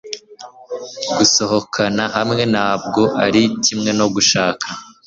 gusohokana hamwe ntabwo ari kimwe no gushaka